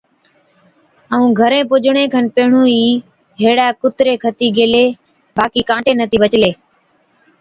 ائُون گھرين پُجڻي کن پيهڻُون ئِي هيڙَي ڪُتري کتِي گيلي، باقِي ڪانٽي نَتِي بَچلي۔